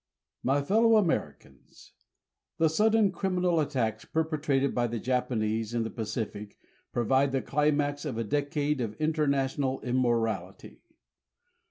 My Fellow Americans: The sudden criminal attacks perpetrated by the Japanese in the Pacific provide the climax of a decade of international immorality.